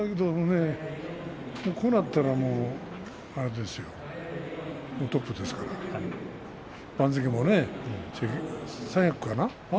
こうなったらトップですからね番付もね。三役かな？